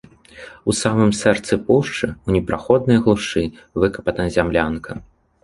У самым сэрцы пушчы, у непраходнай глушы выкапана зямлянка.